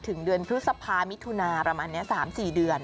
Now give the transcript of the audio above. ถึงเดือนพฤษภามิถุนาประมาณนี้๓๔เดือน